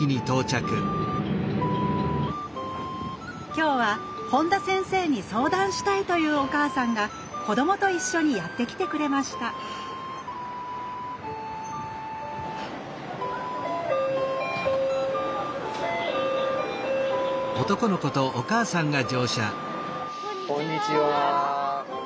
今日は本田先生に相談したいというお母さんが子どもと一緒にやって来てくれましたこんにちは。